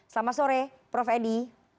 selamat sore prof edi